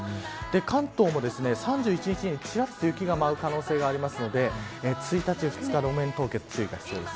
関東も３１日にちらっと雪が舞う可能性がありますので１日、２日は路面凍結に注意が必要です。